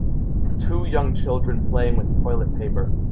Two young children playing with toilet paper.